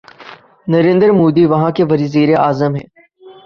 نریندر مودی وہاں کے وزیر اعظم ہیں۔